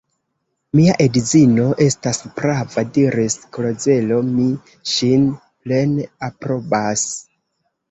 Mia edzino estas prava, diris Klozelo: mi ŝin plene aprobas.